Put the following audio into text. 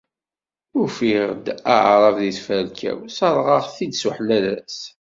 Ufiɣ-d Aɛrab di tferka-w, sserɣeɣ-t-id s uḥlalas.